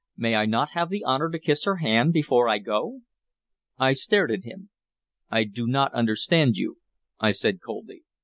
"May I not have the honor to kiss her hand before I go?" I stared at him. "I do not understand you," I said coldly.